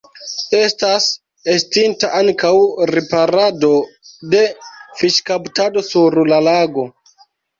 Estas estinta ankaŭ riparado de fiŝkaptado sur la lago.